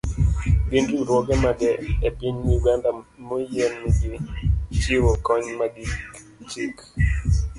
Gin riwruoge mage e piny Uganda moyienegi chiwo kony mag chik?